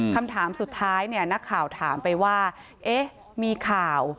คำถามสุดท้ายเนี่ยนักข่าวถามไปว่าเอ๊ะมีข่าว